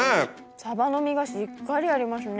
さばの身がしっかりありますね。